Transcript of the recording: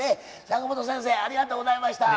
坂本先生ありがとうございました。